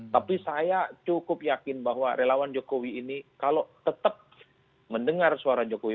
tapi saya cukup yakin bahwa relawan jokowi ini kalau tetap mendengar suara jokowi